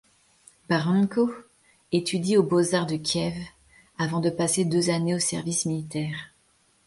Baranko étudie aux Beaux-Arts de Kiev, avant de passer deux années au service militaire.